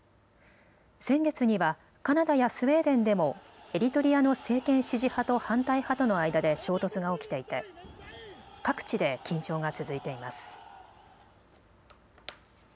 先月にはカナダやスウェーデンでもエリトリアの政権支持派と反対派との間で衝突が起きていて各地で緊張が続いています。